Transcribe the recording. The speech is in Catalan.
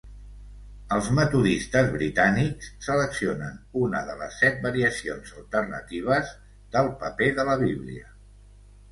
Els metodistes britànics seleccionen una de les set variacions alternatives del paper de la Bíblia.